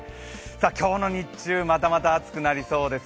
今日の日中、またまた暑くなりそうです。